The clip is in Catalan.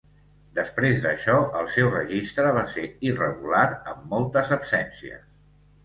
Després d'això, el seu registre va ser irregular, amb moltes absències.